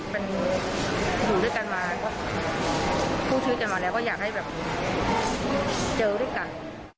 บ้านฟันอยู่ด้วยกันมา